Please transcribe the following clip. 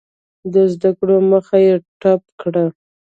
د زده کړو مخه یې ډپ کړه.